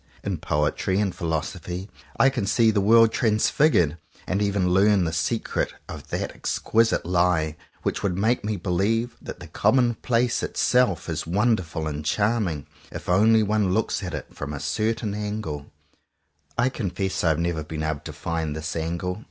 In poetry and philoso phy I can see the world transfigured, and even learn the secret of that exquisite lie which would make me believe that the commonplace itself is wonderful and charm ing — if only one looks at it from a certain 79 CONFESSIONS OF TWO BROTHERS angle. I confess I have never been able to find this angle.